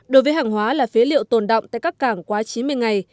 đối với hàng hóa là phế liệu tồn động tại các cảng quá chín mươi ngày